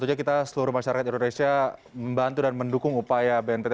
terima kasih kepada seluruh masyarakat indonesia membantu dan mendukung upaya bnpt